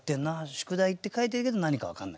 「宿題」って書いてるけど何か分かんない。